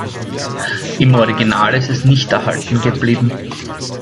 Im Original ist es nicht erhalten geblieben.